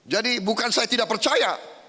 jadi bukan saya tidak percaya